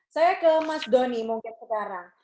saya ke mas doni mungkin sekarang